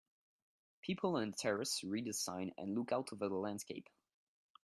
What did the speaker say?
People on a terrace read a sign and look out over the landscape